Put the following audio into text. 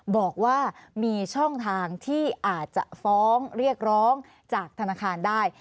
บอกว่ามีช่องทางที่อาจจะฟ้องเรียกร้องจากธนาคารได้